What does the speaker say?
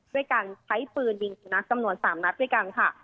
ด้วยการใช้ปืนยิงสุนัขจำนวน๓นัดด้วยกันค่ะ